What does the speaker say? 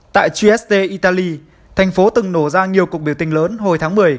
tại gsd italy thành phố từng nổ ra nhiều cuộc biểu tình lớn hồi tháng một mươi